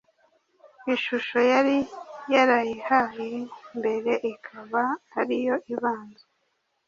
Inshutso yari yarayihaye mbere ikaba ari yo ibanza